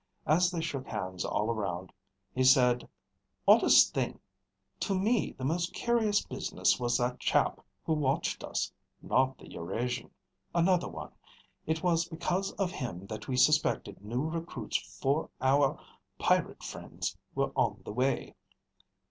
As they shook hands all around, he said, "Oddest thing. To me, the most curious business was that chap who watched us. Not the Eurasian. Another one. It was because of him that we suspected new recruits for our pirate friends were on the way."